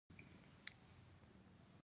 هغوی د بام پر لرګي باندې خپل احساسات هم لیکل.